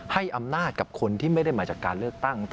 ให้อำนาจกับคนที่ไม่ได้มาจากการเลือกตั้ง